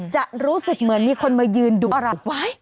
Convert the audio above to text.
จะรู้สึกเหมือนมีคนมายืนดุอะไร